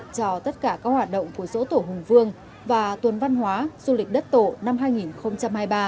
cho tất cả các hoạt động của dỗ tổ hùng vương và tuần văn hóa du lịch đất tổ năm hai nghìn hai mươi ba